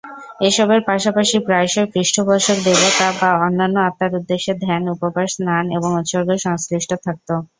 এসবের পাশাপাশি প্রায়শই পৃষ্ঠপোষক দেবতা বা অন্যান্য আত্মার উদ্দেশ্যে ধ্যান, উপবাস, স্নান এবং উৎসর্গ সংশ্লিষ্ট থাকত।